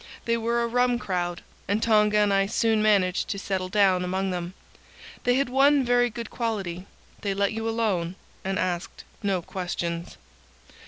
They were a rum crowd, and Tonga and I soon managed to settle down among them. They had one very good quality: they let you alone and asked no questions.